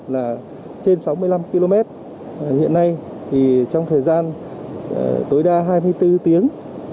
là trên sáu mươi năm km hiện nay thì trong thời gian tối đa hai mươi bốn tiếng